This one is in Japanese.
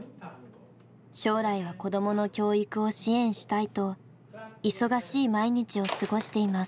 将来は子供の教育を支援したいと忙しい毎日を過ごしています。